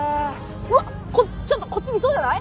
わっちょっとこっち見そうじゃない？